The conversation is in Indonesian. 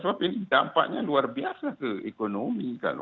sebab ini dampaknya luar biasa ke ekonomi